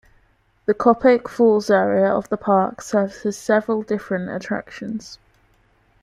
The Copake Falls Area of the park services several different attractions.